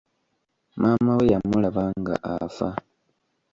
Maama we yamulaba nga afa.